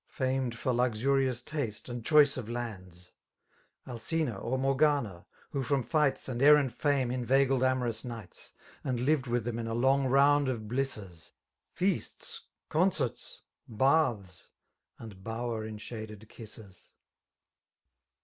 Famed for luxurious taste, and choice of lands, Alcina, or Morgana, — ^who from fights And errant fame inveigled amorous knights. 70 And lived with them in ft long round cf blissM, FeaitSy €oneert8^ hnths, and bower *enshad«i kisses.